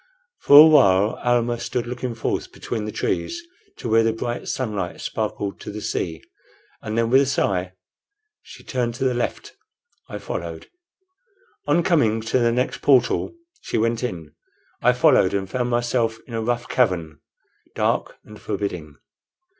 For a while Almah stood looking forth between the trees to where the bright sunlight sparkled on the sea, and then with a sigh she turned to the left. I followed. On coming to the next portal she went in. I followed, and found myself in a rough cavern, dark and forbidding.